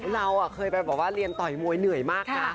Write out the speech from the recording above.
เราเคยไปเป็นเรียนต่อยมวยเหนื่อยมาก